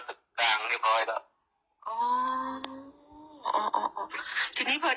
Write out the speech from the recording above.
ผมเข้าข่าวโรงพยาบาลตำรวจ